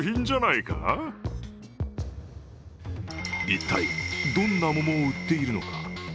一体どんな桃を売っているのか。